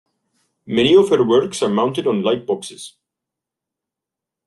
Many of her works are mounted on light boxes.